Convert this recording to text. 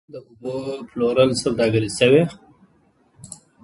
د اوبو پلورل سوداګري شوې؟